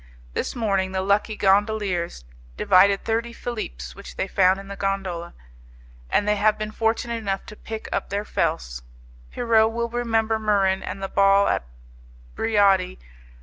This morning the lucky gondoliers divided thirty philippes which they found in the gondola, and they have been fortunate enough to pick up their 'felce'. Pierrot will remember Muran and the ball at Briati.